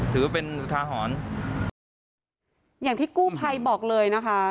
ถือเป็นอุทาหรณ์อย่างที่กู้ภัยบอกเลยนะคะ